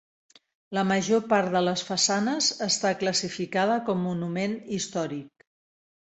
La major part de les façanes està classificada com Monument històric.